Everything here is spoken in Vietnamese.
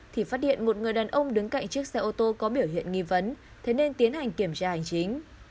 thì phát hiện một người đàn ông đứng cạnh chiếc xe ô tô có biểu hiện nghi vấn thế nên tiến hành kiểm tra hành chính